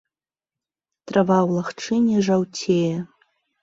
Трава ў лагчыне жаўцее.